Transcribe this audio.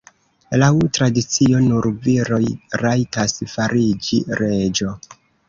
Laŭ tradicio nur viroj rajtas fariĝi reĝo.